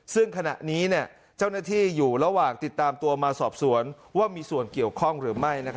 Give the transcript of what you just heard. ซึ่งขณะนี้เจ้าหน้าที่อยู่ระหว่างติดตามตัวมาสอบสวนว่ามีส่วนเกี่ยวข้องหรือไม่